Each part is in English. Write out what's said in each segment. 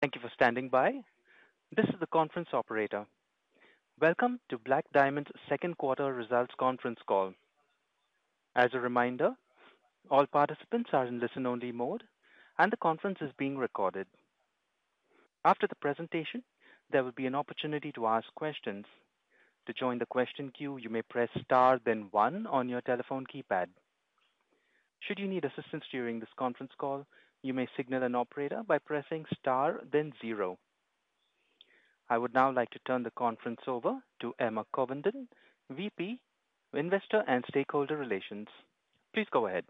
Thank you for standing by. This is the conference operator. Welcome to Black Diamond's Second Quarter Results Conference Call. As a reminder, all participants are in listen-only mode, and the conference is being recorded. After the presentation, there will be an opportunity to ask questions. To join the question queue, you may press star, then one on your telephone keypad. Should you need assistance during this conference call, you may signal an operator by pressing star, then zero. I would now like to turn the conference over to Emma Covenden, VP, Investor and Stakeholder Relations. Please go ahead.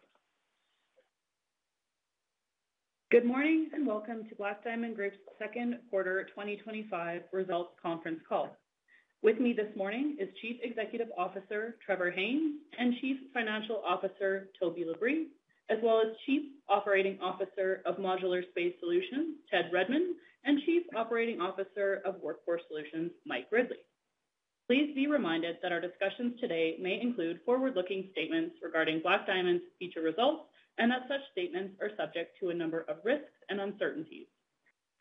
Good morning and welcome to Black Diamond Group's Second Quarter 2025 Results Conference Call. With me this morning is Chief Executive Officer, Trevor Haynes and Chief Financial Officer Toby LaBrie, as well as Chief Operating Officer of Modular Space Solutions, Ted Redmond, and Chief Operating Officer of Workforce Solutions, Mike Ridley. Please be reminded that our discussions today may include forward-looking statements regarding Black Diamond's future results, and that such statements are subject to a number of risks and uncertainties.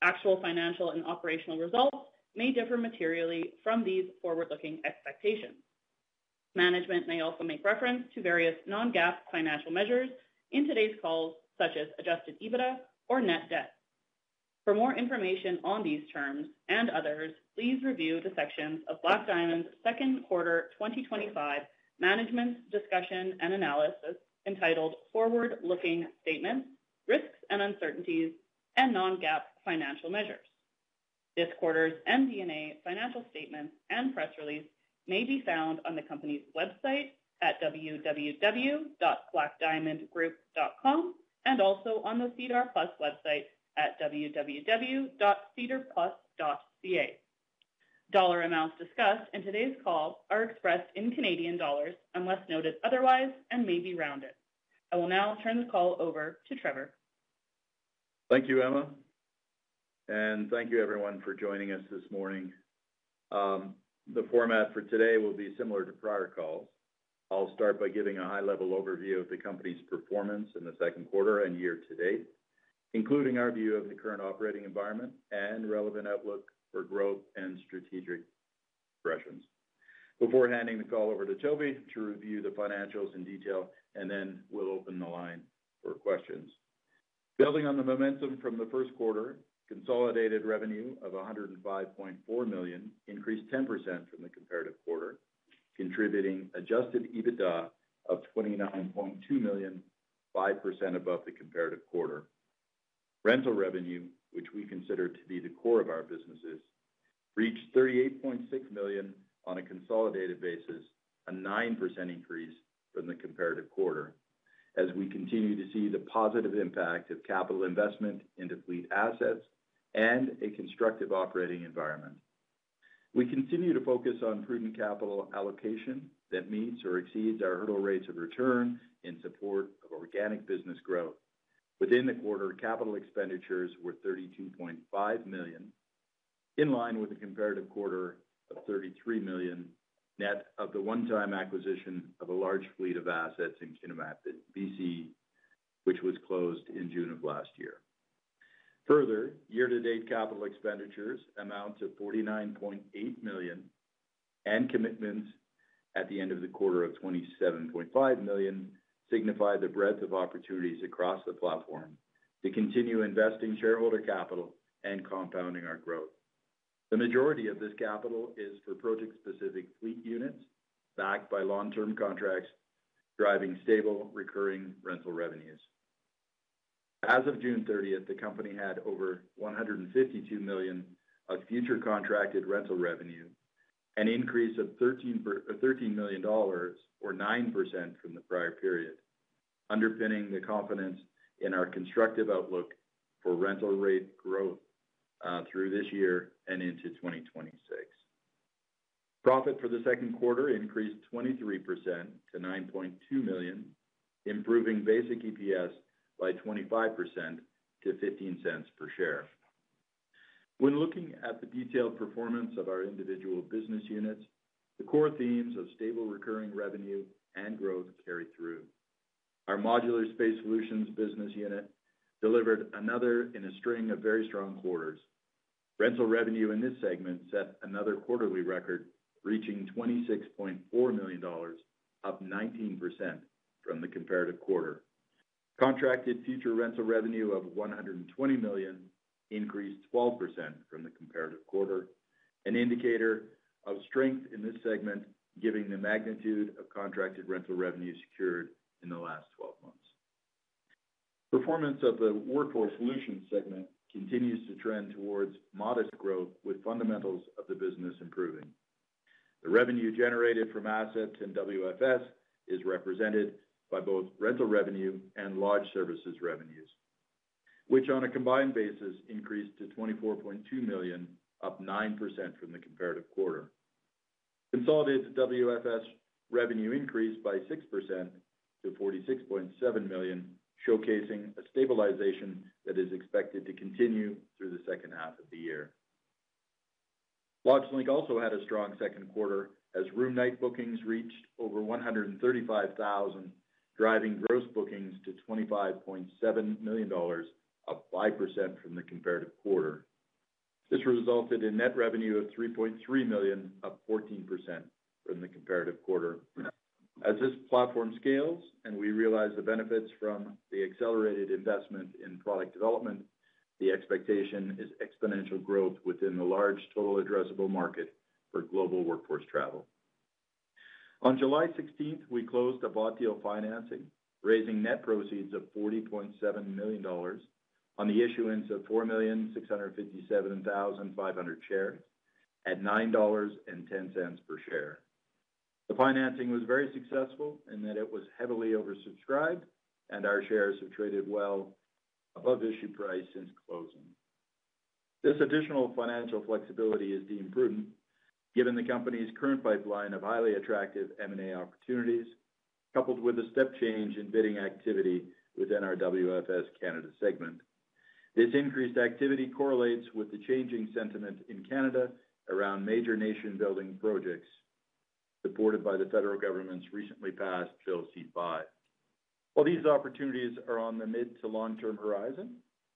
Actual financial and operational results may differ materially from these forward-looking expectations. Management may also make reference to various non-GAAP financial measures in today's calls, such as adjusted EBITDA or net debt. For more information on these terms and others, please review the sections of Black Diamond's second quarter 2025 management discussion and analysis entitled Forward-Looking Statements, Risks and Uncertainties, and Non-GAAP Financial Measures. This quarter's MD&A financial statements and press release may be found on the company's website at www.blackdiamondgroup.com and also on the SEDAR+ website at www.sedarplus.ca. Dollar amounts discussed in today's call are expressed in Canadian dollars unless noted otherwise and may be rounded. I will now turn the call over to Trevor. Thank you, Emma, and thank you, everyone, for joining us this morning. The format for today will be similar to prior calls. I'll start by giving a high-level overview of the company's performance in the second quarter and year to date, including our view of the current operating environment and relevant outlook for growth and strategic progressions. Before handing the call over to Toby to review the financials in detail, we'll open the line for questions. Building on the momentum from the first quarter, consolidated revenue of 105.4 million increased 10% from the comparative quarter, contributing adjusted EBITDA of 29.2 million, 5% above the comparative quarter. Rental revenue, which we consider to be the core of our businesses, reached 38.6 million on a consolidated basis, a 9% increase from the comparative quarter, as we continue to see the positive impact of capital investment into fleet assets and a constructive operating environment. We continue to focus on prudent capital allocation that meets or exceeds our hurdle rates of return in support of organic business growth. Within the quarter, capital expenditures were 32.5 million, in line with a comparative quarter of 33 million net of the one-time acquisition of a large fleet of assets in Kitimat, B.C., which was closed in June of last year. Further, year-to-date capital expenditures amount to 49.8 million, and commitments at the end of the quarter of 27.5 million signify the breadth of opportunities across the platform to continue investing shareholder capital and compounding our growth. The majority of this capital is for project-specific fleet units backed by long-term contracts, driving stable recurring rental revenues. As of June 30th, the company had over 152 million of future contracted rental revenue, an increase of 13 million dollars or 9% from the prior period, underpinning the confidence in our constructive outlook for rental rate growth through this year and into 2026. Profit for the second quarter increased 23% to 9.2 million, improving basic EPS by 25% to 0.15 per share. When looking at the detailed performance of our individual business units, the core themes of stable recurring revenue and growth carried through. Our Modular Space Solutions business unit delivered another in a string of very strong quarters. Rental revenue in this segment set another quarterly record, reaching 26.4 million dollars, up 19% from the comparative quarter. Contracted future rental revenue of 120 million increased 12% from the comparative quarter, an indicator of strength in this segment, given the magnitude of contracted rental revenue secured in the last 12 months. Performance of the Workforce Solutions segment continues to trend towards modest growth, with fundamentals of the business improving. The revenue generated from assets and WFS is represented by both rental revenue and large services revenues, which on a combined basis increased to 24.2 million, up 9% from the comparative quarter. Consolidated WFS revenue increased by 6% to 46.7 million, showcasing a stabilization that is expected to continue through the second half of the year. LodgeLink also had a strong second quarter as room night bookings reached over 135,000, driving gross bookings to 25.7 million dollars, up 5% from the comparative quarter. This resulted in net revenue of 3.3 million, up 14% from the comparative quarter. As this platform scales and we realize the benefits from the accelerated investment in product development, the expectation is exponential growth within the large total addressable market for global workforce travel. On July 16, we closed a bought deal financing, raising net proceeds of 40.7 million dollars on the issuance of 4,657,500 shares at 9.10 dollars per share. The financing was very successful in that it was heavily oversubscribed, and our shares have traded well above the issue price since closing. This additional financial flexibility is deemed prudent given the company's current pipeline of highly attractive M&A opportunities, coupled with a step change in bidding activity within our WFS Canada segment. This increased activity correlates with the changing sentiment in Canada around major nation-building projects supported by the federal government's recently passed Bill C-5. While these opportunities are on the mid-to-long-term horizon,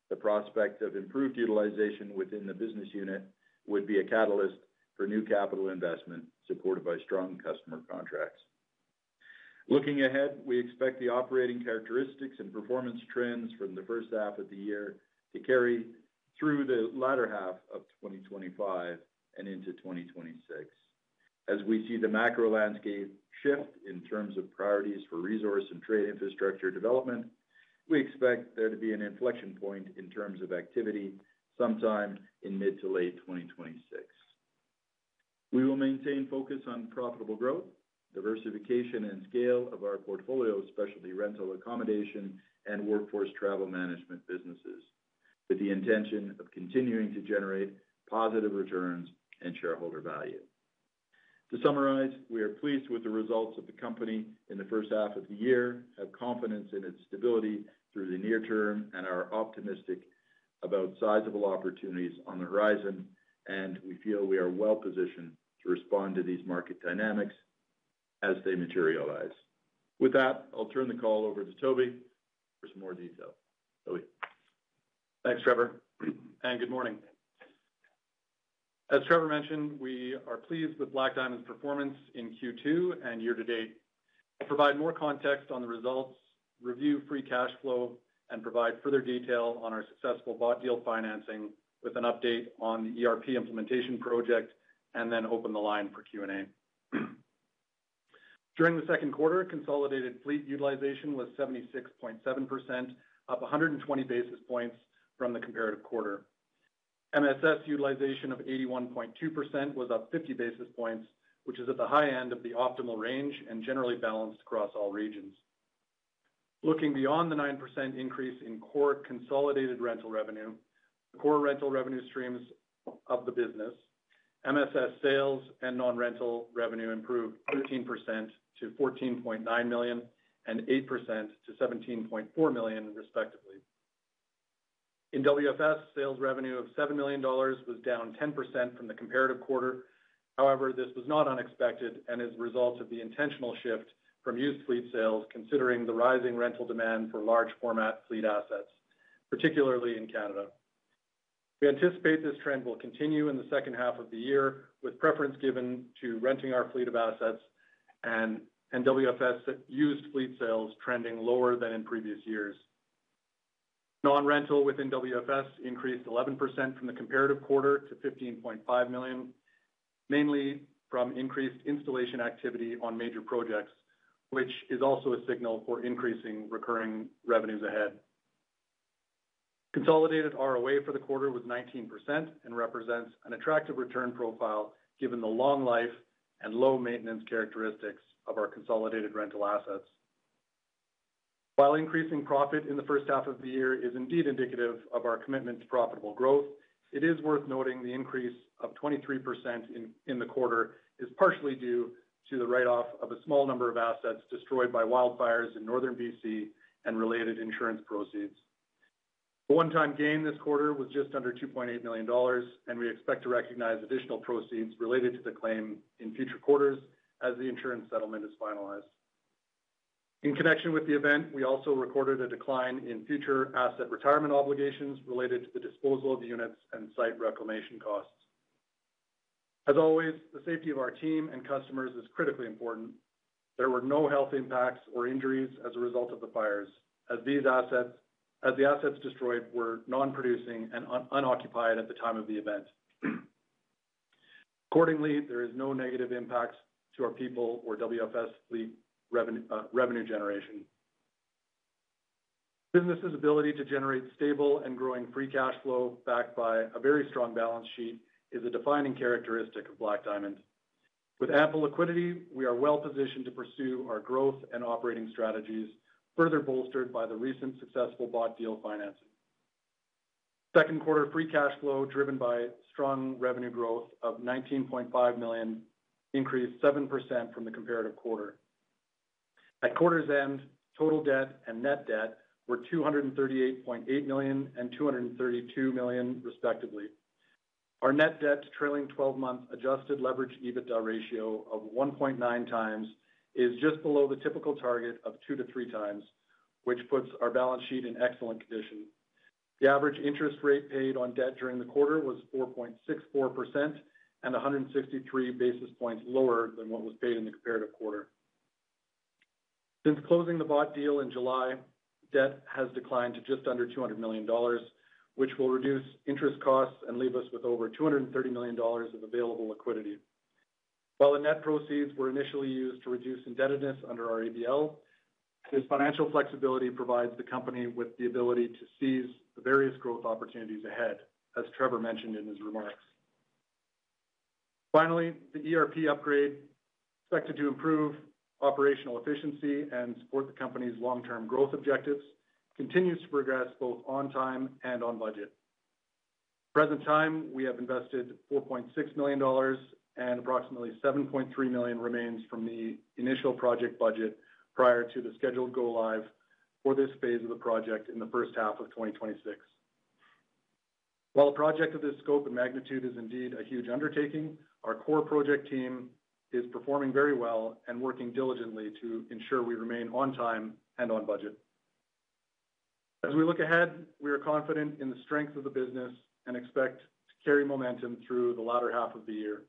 the prospect of improved utilization within the business unit would be a catalyst for new capital investment supported by strong customer contracts. Looking ahead, we expect the operating characteristics and performance trends from the first half of the year to carry through the latter half of 2025 and into 2026. As we see the macro landscape shift in terms of priorities for resource and trade infrastructure development, we expect there to be an inflection point in terms of activity sometime in mid to late 2026. We will maintain focus on profitable growth, diversification, and scale of our portfolio of specialty rental accommodation and workforce travel management businesses with the intention of continuing to generate positive returns and shareholder value. To summarize, we are pleased with the results of the company in the first half of the year, have confidence in its stability through the near term, and are optimistic about sizable opportunities on the horizon. We feel we are well positioned to respond to these market dynamics as they materialize. With that, I'll turn the call over to Toby for some more detail. Toby. Thanks, Trevor, and good morning. As Trevor mentioned, we are pleased with Black Diamond's performance in Q2 and year to date. To provide more context on the results, review free cash flow, and provide further detail on our successful bought deal financing with an update on the ERP implementation project, and then open the line for Q&A. During the second quarter, consolidated fleet utilization was 76.7%, up 120 basis points from the comparative quarter. MSS utilization of 81.2% was up 50 basis points, which is at the high end of the optimal range and generally balanced across all regions. Looking beyond the 9% increase in core consolidated rental revenue, core rental revenue streams of the business, MSS sales and non-rental revenue improved 13% to 14.9 million and 8% to 17.4 million, respectively. In WFS, sales revenue of 7 million dollars was down 10% from the comparative quarter. However, this was not unexpected and is a result of the intentional shift from used fleet sales, considering the rising rental demand for large format fleet assets, particularly in Canada. We anticipate this trend will continue in the second half of the year, with preference given to renting our fleet of assets and WFS used fleet sales trending lower than in previous years. Non-rental within WFS increased 11% from the comparative quarter to 15.5 million, mainly from increased installation activity on major projects, which is also a signal for increasing recurring revenues ahead. Consolidated ROA for the quarter was 19% and represents an attractive return profile given the long life and low maintenance characteristics of our consolidated rental assets. While increasing profit in the first half of the year is indeed indicative of our commitment to profitable growth, it is worth noting that the increase of 23% in the quarter is partially due to the write-off of a small number of assets destroyed by wildfires in Northern B.C. and related insurance proceeds. The one-time gain this quarter was just under 2.8 million dollars, and we expect to recognize additional proceeds related to the claim in future quarters as the insurance settlement is finalized. In connection with the event, we also recorded a decline in future asset retirement obligations related to the disposal of the units and site reclamation costs. As always, the safety of our team and customers is critically important. There were no health impacts or injuries as a result of the fires, as these assets, which were destroyed, were non-producing and unoccupied at the time of the event. Accordingly, there is no negative impact to our people or WFS fleet revenue generation. Business's ability to generate stable and growing free cash flow backed by a very strong balance sheet is a defining characteristic of Black Diamond. With ample liquidity, we are well positioned to pursue our growth and operating strategies, further bolstered by the recent successful bought deal financing. Second quarter free cash flow, driven by strong revenue growth of 19.5 million, increased 7% from the comparative quarter. At quarter's end, total debt and net debt were 238.8 million and 232 million, respectively. Our net debt, trailing 12 months adjusted leverage EBITDA ratio of 1.9x, is just below the typical target of 2x-3x, which puts our balance sheet in excellent condition. The average interest rate paid on debt during the quarter was 4.64% and 163 basis points lower than what was paid in the comparative quarter. Since closing the bought deal in July, debt has declined to just under 200 million dollars, which will reduce interest costs and leave us with over 230 million dollars of available liquidity. While the net proceeds were initially used to reduce indebtedness under our ADL, this financial flexibility provides the company with the ability to seize the various growth opportunities ahead, as Trevor mentioned in his remarks. Finally, the ERP upgrade, expected to improve operational efficiency and support the company's long-term growth objectives, continues to progress both on time and on budget. At the present time, we have invested 4.6 million dollars, and approximately 7.3 million remains from the initial project budget prior to the scheduled go live for this phase of the project in the first half of 2026. While a project of this scope and magnitude is indeed a huge undertaking, our core project team is performing very well and working diligently to ensure we remain on time and on budget. As we look ahead, we are confident in the strength of the business and expect to carry momentum through the latter half of the year.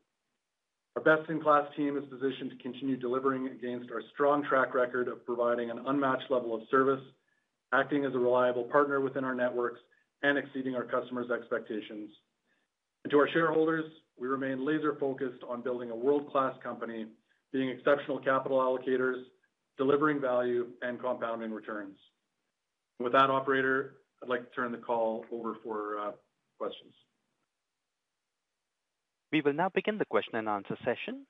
Our best-in-class team is positioned to continue delivering against our strong track record of providing an unmatched level of service, acting as a reliable partner within our networks, and exceeding our customers' expectations. To our shareholders, we remain laser-focused on building a world-class company, being exceptional capital allocators, delivering value, and compounding returns. With that, operator, I'd like to turn the call over for questions. We will now begin the question and answer session.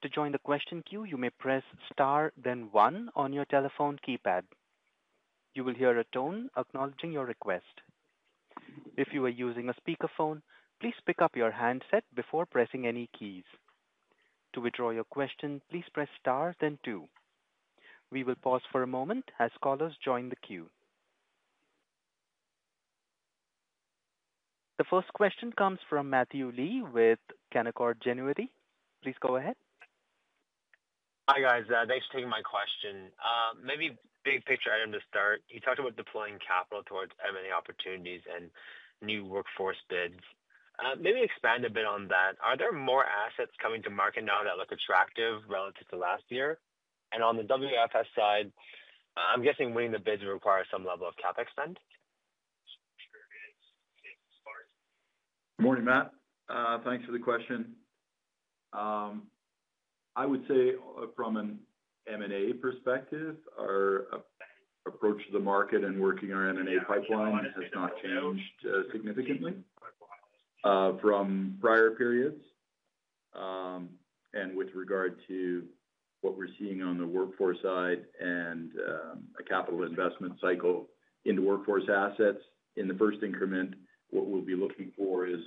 To join the question queue, you may press star, then one on your telephone keypad. You will hear a tone acknowledging your request. If you are using a speakerphone, please pick up your handset before pressing any keys. To withdraw your question, please press star, then two. We will pause for a moment as callers join the queue. The first question comes from Matthew Lee with Canaccord Genuity. Please go ahead. Hi guys, thanks for taking my question. Maybe a big picture item to start. You talked about deploying capital towards M&A opportunities and new workforce bids. Maybe expand a bit on that. Are there more assets coming to market now that look attractive relative to last year? On the WFS side, I'm guessing winning the bids requires some level of CapEx spend. Morning Matt. Thanks for the question. I would say from an M&A perspective, our approach to the market and working our M&A pipeline has not changed significantly from prior periods. With regard to what we're seeing on the workforce side and a capital investment cycle into workforce assets, in the first increment, what we'll be looking for is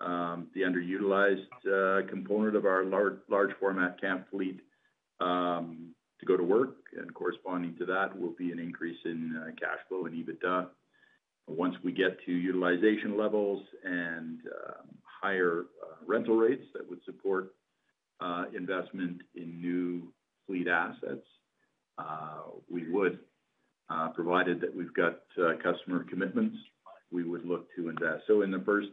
the underutilized component of our large format camp fleet to go to work. Corresponding to that will be an increase in cash flow and EBITDA. Once we get to utilization levels and higher rental rates that would support investment in new fleet assets, we would, provided that we've got customer commitments, look to invest. In the first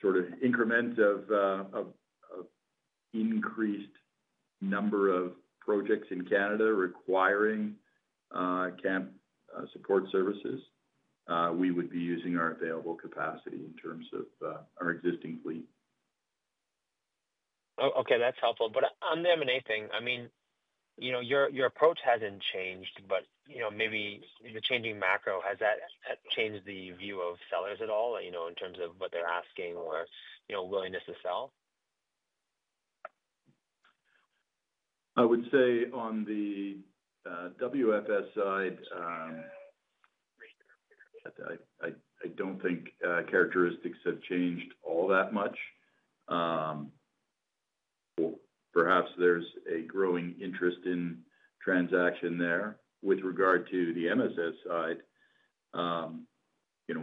sort of increment of increased number of projects in Canada requiring camp support services, we would be using our available capacity in terms of our existing fleet. Okay, that's helpful. On the M&A thing, I mean, you know your approach hasn't changed, but you know maybe the changing macro, has that changed the view of sellers at all, you know in terms of what they're asking or you know willingness to sell? I would say on the WFS side, I don't think characteristics have changed all that much. Perhaps there's a growing interest in transaction there. With regard to the MSS side,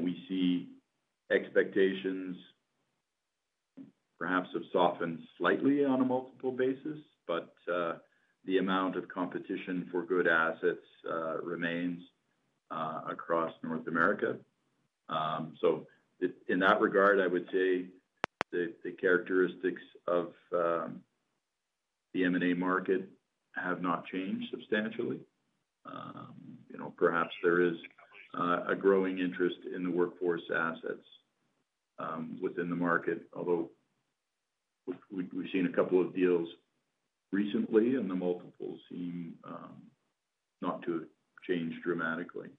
we see expectations perhaps have softened slightly on a multiple basis, but the amount of competition for good assets remains across North America. In that regard, I would say the characteristics of the M&A market have not changed substantially. Perhaps there is a growing interest in the workforce assets within the market, although we've seen a couple of deals recently and the multiples seem not to have changed dramatically.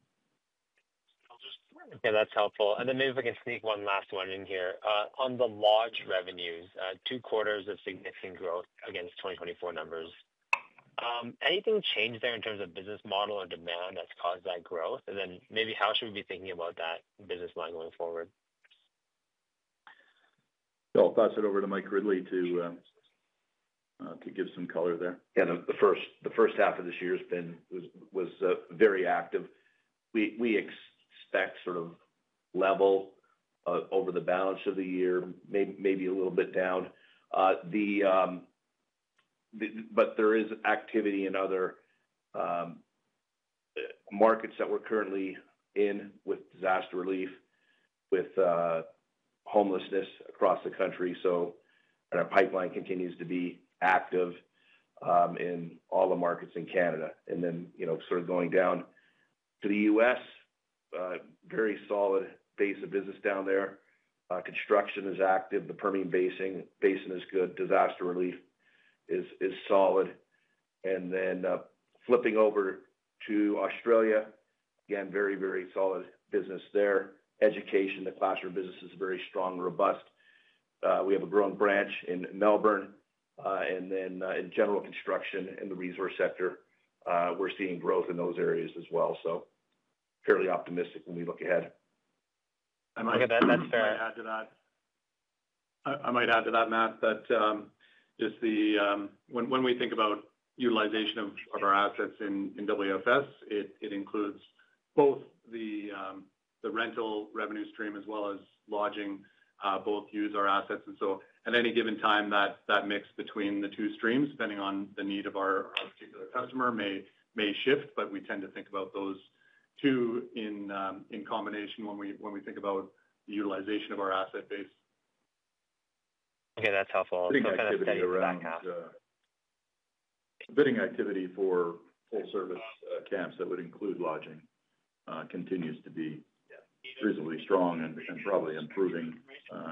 Okay, that's helpful. Maybe if I can sneak one last one in here. On the lodge revenues, two quarters of significant growth against 2024 numbers. Anything change there in terms of business model or demand that's caused that growth? Maybe how should we be thinking about that business model going forward? No, I'll pass it over to Mike Ridley to give some color there. The first half of this year has been very active. We expect sort of level over the balance of the year, maybe a little bit down. There is activity in other markets that we're currently in with disaster relief, with homelessness across the country. Our pipeline continues to be active in all the markets in Canada. You know, sort of going down to the U.S., a very solid base of business down there. Construction is active. The Permian Basin is good. Disaster relief is solid. Flipping over to Australia, again, very, very solid business there. Education, the classroom business is very strong, robust. We have a growing branch in Melbourne. In general construction in the resource sector, we're seeing growth in those areas as well. Fairly optimistic when we look ahead. Thanks Mike. That's fair. I'll add to that. I might add to that, Matt, that when we think about utilization of our assets in WFS, it includes both the rental revenue stream as well as lodging. Both use our assets. At any given time, that mix between the two streams, depending on the need of our particular customer, may shift, but we tend to think about those two in combination when we think about the utilization of our asset base. Okay, that's helpful. Kind of the running half. Bidding activity for full-service camps that would include lodging continues to be reasonably strong and probably improving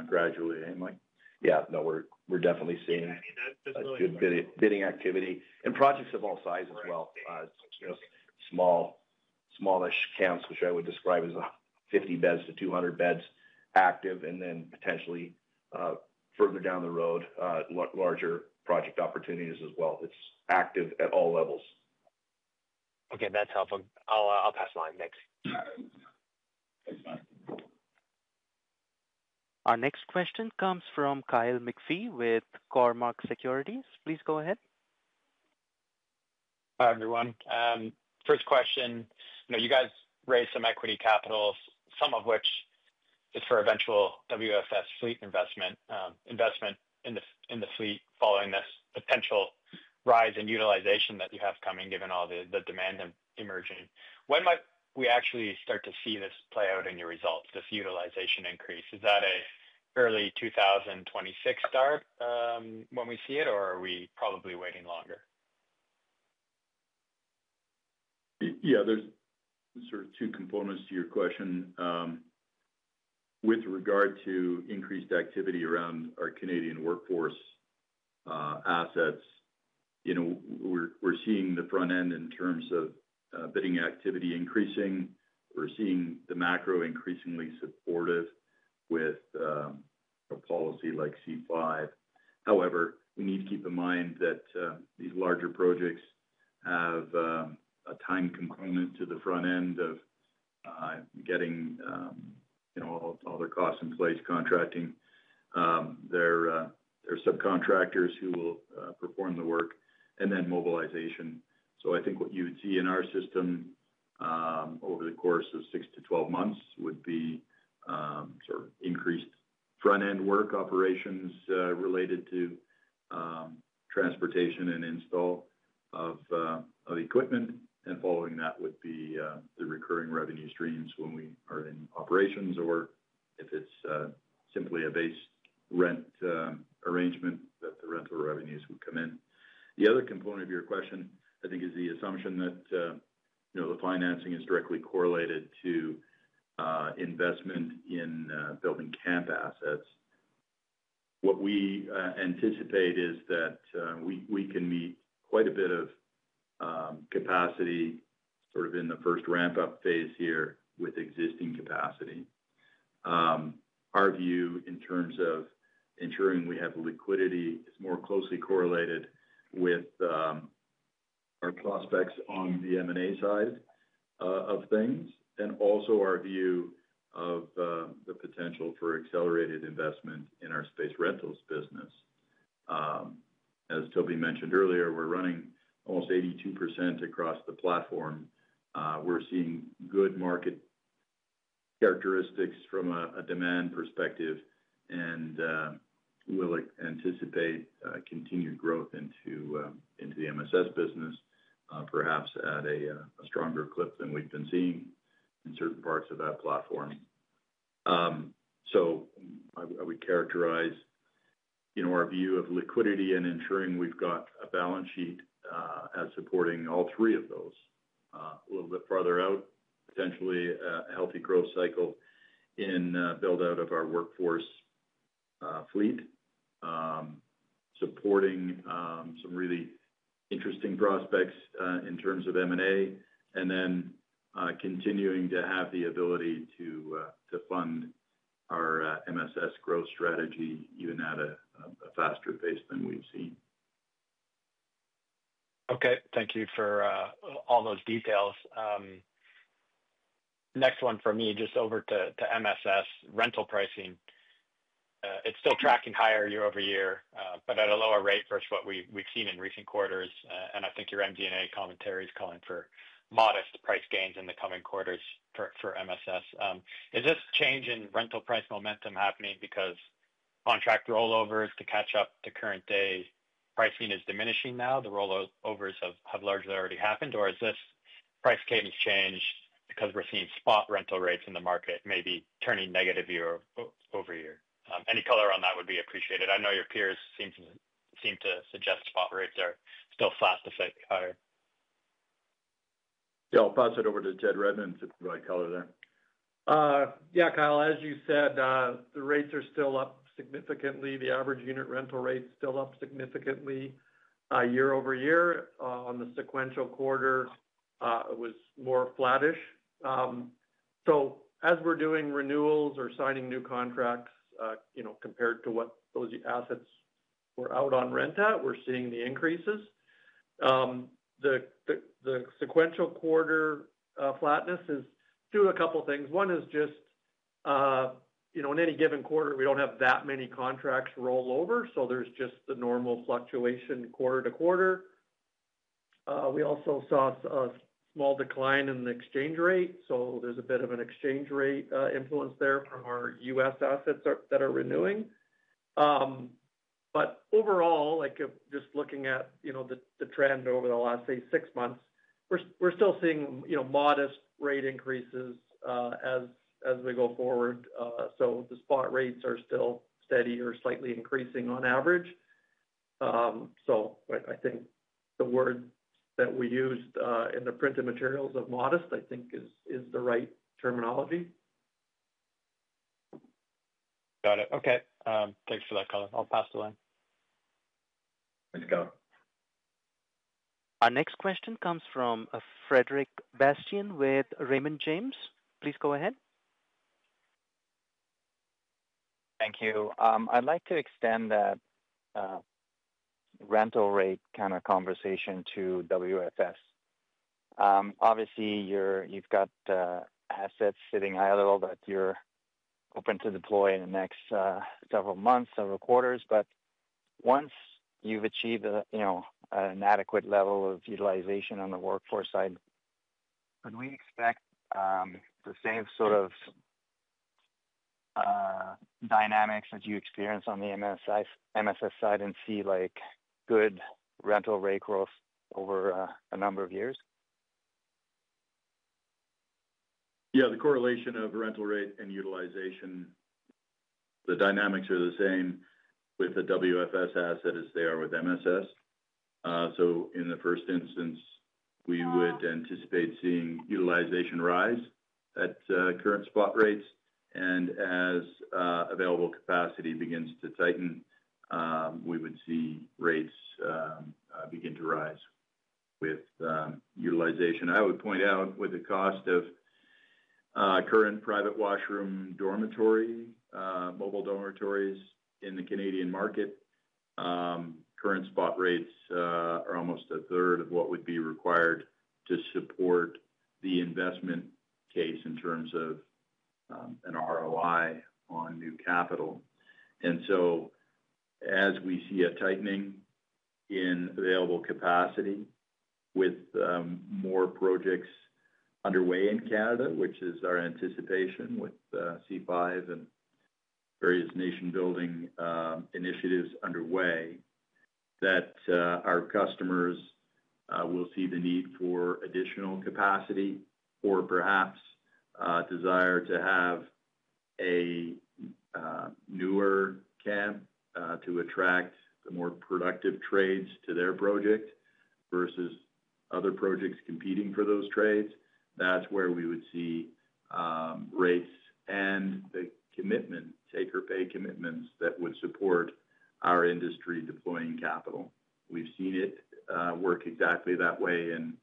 gradually. Mike. Yeah, no, we're definitely seeing good bidding activity and projects of all sizes as well. Smallish camps, which I would describe as 50 beds-200 beds, active, and then potentially further down the road, larger project opportunities as well. It's active at all levels. Okay, that's helpful. I'll pass the line. Thanks. Our next question comes from Kyle McPhee with Cormark Securities. Please go ahead. Hi everyone. First question, you know, you guys raised some equity capital, some of which is for eventual WFS fleet investment. Investment in the fleet following this potential rise in utilization that you have coming, given all the demand emerging. When might we actually start to see this play out in your results, this utilization increase? Is that an early 2026 start when we see it, or are we probably waiting longer? Yeah, there's sort of two components to your question. With regard to increased activity around our Canadian workforce assets, we're seeing the front end in terms of bidding activity increasing. We're seeing the macro increasingly supportive with a policy like C5. However, we need to keep in mind that these larger projects have a time component to the front end of getting all their costs in place, contracting their subcontractors who will perform the work, and then mobilization. I think what you would see in our system over the course of 6 months-12 months would be sort of increased front-end work operations related to transportation and install of equipment. Following that would be the recurring revenue streams when we are in operations, or if it's simply a base rent arrangement that the rental revenues would come in. The other component of your question, I think, is the assumption that the financing is directly correlated to investment in building camp assets. What we anticipate is that we can meet quite a bit of capacity in the first ramp-up phase here with existing capacity. Our view in terms of ensuring we have liquidity is more closely correlated with our prospects on the M&A side of things, and also our view of the potential for accelerated investment in our space rentals business. As Toby mentioned earlier, we're running almost 82% across the platform. We're seeing good market characteristics from a demand perspective, and we'll anticipate continued growth into the MSS business, perhaps at a stronger clip than we've been seeing in certain parts of that platform. I would characterize our view of liquidity and ensuring we've got a balance sheet as supporting all three of those. A little bit farther out, potentially a healthy growth cycle in build-out of our workforce fleet, supporting some really interesting prospects in terms of M&A, and then continuing to have the ability to fund our MSS growth strategy even at a faster pace than we've seen. Okay, thank you for all those details. Next one for me, just over to MSS rental pricing. It's still tracking higher year over year, but at a lower rate versus what we've seen in recent quarters. I think your MD&A commentary is calling for modest price gains in the coming quarters for MSS. Is this change in rental price momentum happening because contract rollovers to catch up to current day pricing is diminishing now? The rollovers have largely already happened, or is this price cadence change because we're seeing spot rental rates in the market maybe turning negative year-over-year? Any color on that would be appreciated. I know your peers seem to suggest spot rates are still slightly higher. Yeah, I'll pass it over to Ted Redmond to provide color there. Yeah, Kyle, as you said, the rates are still up significantly. The average unit rental rate is still up significantly year over year. On the sequential quarter, it was more flattish. As we're doing renewals or signing new contracts, compared to what those assets were out on rent at, we're seeing the increases. The sequential quarter flatness is due to a couple of things. One is just, in any given quarter, we don't have that many contracts rollover, so there's just the normal fluctuation quarter to quarter. We also saw a small decline in the exchange rate, so there's a bit of an exchange rate influence there from our U.S. assets that are renewing. Overall, just looking at the trend over the last, say, six months, we're still seeing modest rate increases as we go forward. The spot rates are still steady or slightly increasing on average. I think the word that we used in the printed material, modest, is the right terminology. Got it. Okay, thanks for that color. I'll pass the line. Let's go. Our next question comes from Frederic Bastien with Raymond James. Please go ahead. Thank you. I'd like to extend that rental rate kind of conversation to WFS. Obviously, you've got assets sitting higher level that you're open to deploy in the next several months, several quarters. Once you've achieved, you know, an adequate level of utilization on the workforce side, can we expect the same sort of dynamics that you experience on the MSS side and see like good rental rate growth over a number of years? Yeah, the correlation of rental rate and utilization, the dynamics are the same with the WFS asset as they are with MSS. In the first instance, we would anticipate seeing utilization rise at current spot rates. As available capacity begins to tighten, we would see rates begin to rise with utilization. I would point out with the cost of current private washroom dormitory, mobile dormitories in the Canadian market, current spot rates are almost a third of what would be required to support the investment case in terms of an ROI on new capital. As we see a tightening in available capacity with more projects underway in Canada, which is our anticipation with C-5 and various nation-building initiatives underway, our customers will see the need for additional capacity or perhaps desire to have a newer camp to attract the more productive trades to their project versus other projects competing for those trades. That is where we would see rates and the commitment, taker pay commitments that would support our industry deploying capital. We have seen it work exactly that way in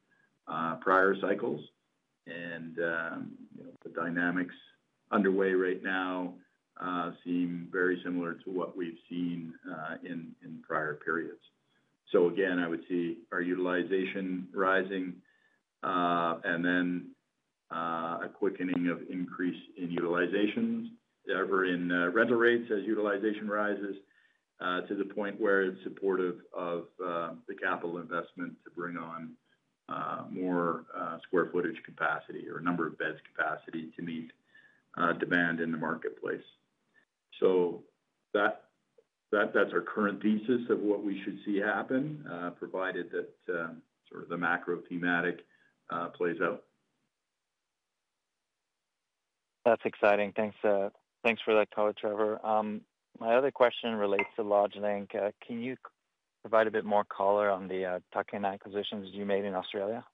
prior cycles. The dynamics underway right now seem very similar to what we have seen in prior periods. I would see our utilization rising and then a quickening of increase in utilization ever in rental rates as utilization rises to the point where it is supportive of the capital investment to bring on more square footage capacity or a number of beds capacity to meet demand in the marketplace. That is our current thesis of what we should see happen, provided that sort of the macro thematic plays out. That's exciting. Thanks for that call, Trevor. My other question relates to LodgeLink. Can you provide a bit more color on the tuck-in acquisitions you made in Australia?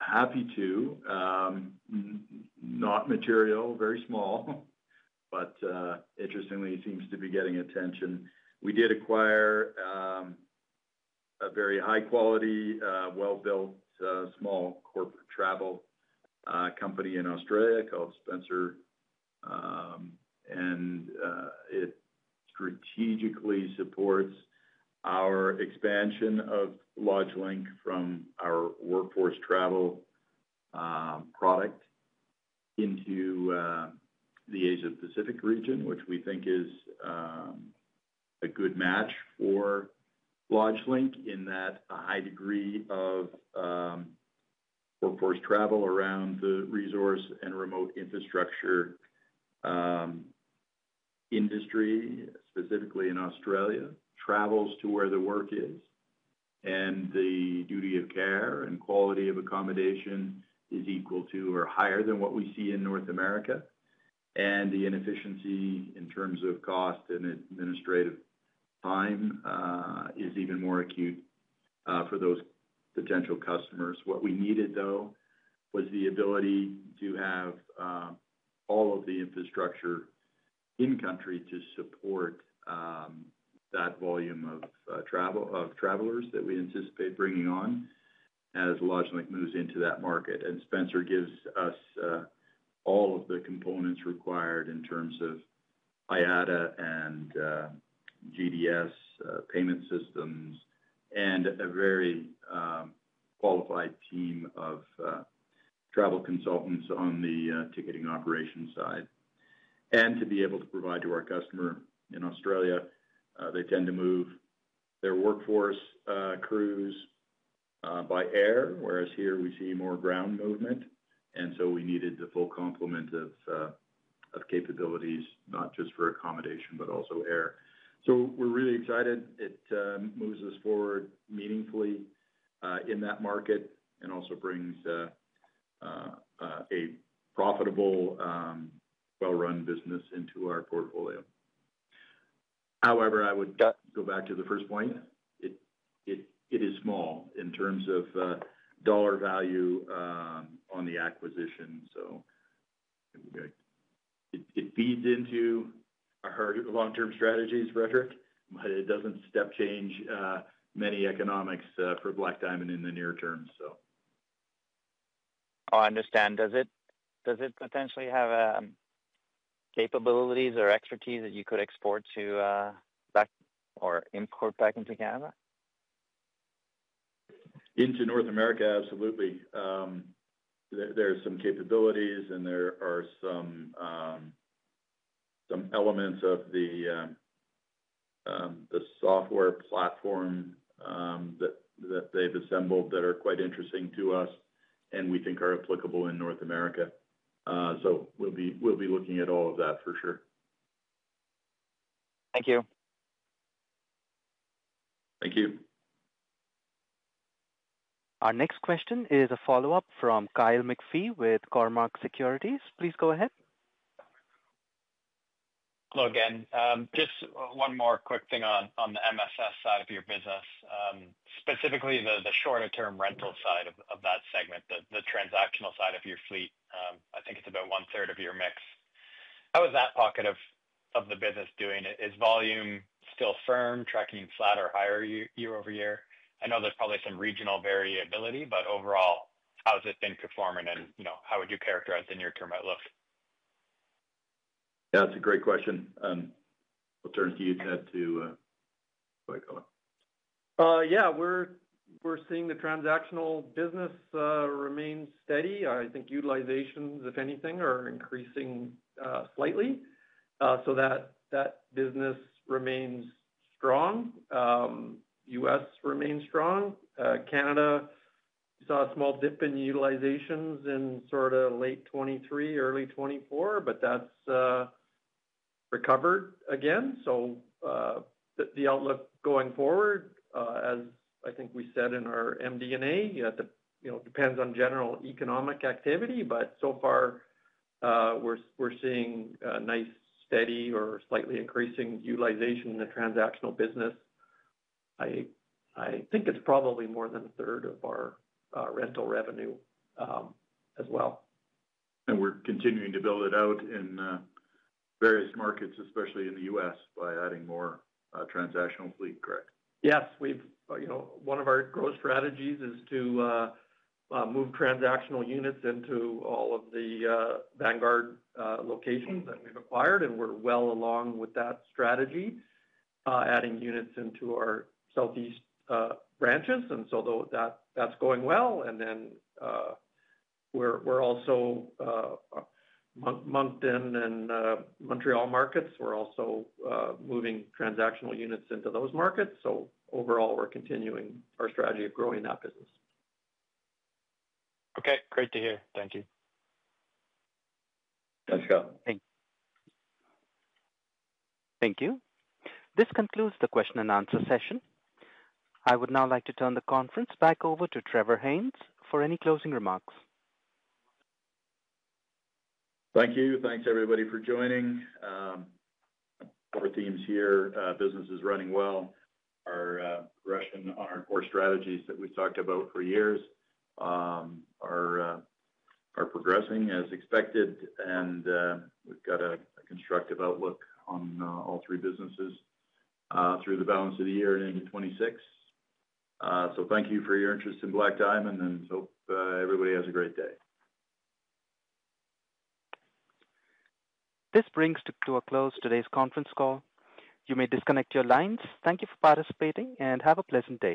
Happy to. Not material, very small, but interestingly, it seems to be getting attention. We did acquire a very high quality, well-built, small corporate travel company in Australia called Spencer, and it strategically supports our expansion of LodgeLink from our workforce travel product into the Asia Pacific region, which we think is a good match for LodgeLink in that a high degree of workforce travel around the resource and remote infrastructure industry, specifically in Australia, travels to where the work is, and the duty of care and quality of accommodation is equal to or higher than what we see in North America. The inefficiency in terms of cost and administrative time is even more acute for those potential customers. What we needed, though, was the ability to have all of the infrastructure in country to support that volume of travelers that we anticipate bringing on as LodgeLink moves into that market. Spencer gives us all of the components required in terms of IATA and GDS payment systems and a very qualified team of travel consultants on the ticketing operations side. To be able to provide to our customer in Australia, they tend to move their workforce crews by air, whereas here we see more ground movement. We needed the full complement of capabilities, not just for accommodation, but also air. We're really excited. It moves us forward meaningfully in that market and also brings a profitable, well-run business into our portfolio. However, I would go back to the first point. It is small in terms of dollar value on the acquisition. It feeds into our long-term strategies, Frederick. It doesn't step change many economics for Black Diamond in the near term. I understand. Does it potentially have capabilities or expertise that you could export to or import back into Canada? Into North America, absolutely. There are some capabilities, and there are some elements of the software platform that they've assembled that are quite interesting to us, and we think are applicable in North America. We'll be looking at all of that for sure. Thank you. Thank you. Our next question is a follow-up from Kyle McPhee with Cormark Securities. Please go ahead. Hello again. Just one more quick thing on the MSS side of your business. Specifically, the shorter-term rental side of that segment, the transactional side of your fleet, I think it's about one-third of your mix. How is that pocket of the business doing? Is volume still firm, tracking flat or higher year over year? I know there's probably some regional variability, but overall, how has it been performing and how would you characterize the near-term outlook? Yeah, that's a great question. I'll turn it to you, Ted, to... We're seeing the transactional business remain steady. I think utilizations, if anything, are increasing slightly. That business remains strong. U.S. remains strong. Canada, we saw a small dip in utilizations in sort of late 2023, early 2024, but that's recovered again. The outlook going forward, as I think we said in our MD&A, depends on general economic activity, but so far, we're seeing a nice steady or slightly increasing utilization in the transactional business. I think it's probably more than a third of our rental revenue as well. We're continuing to build it out in various markets, especially in the U.S., by adding more transactional fleet, correct? Yes. One of our growth strategies is to move transactional units into all of the Vanguard locations that we've acquired, and we're well along with that strategy, adding units into our Southeast branches. That's going well. We're also in the Moncton and Montreal markets. We're also moving transactional units into those markets. Overall, we're continuing our strategy of growing that business. Okay, great to hear. Thank you. Thanks, Scott. Thank you. This concludes the question and answer session. I would now like to turn the conference back over to Trevor Haynes for any closing remarks. Thank you. Thanks, everybody, for joining. Four themes here. Business is running well. Our strategies that we've talked about for years are progressing as expected, and we've got a constructive outlook on all three businesses through the balance of the year and into 2026. Thank you for your interest in Black Diamond, and hope everybody has a great day. This brings to a close today's conference call. You may disconnect your lines. Thank you for participating and have a pleasant day.